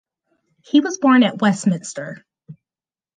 He was born at Westminster.